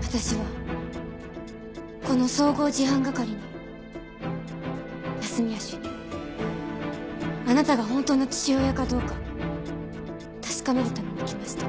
私はこの総合事犯係に安洛主任あなたが本当の父親かどうか確かめるために来ました。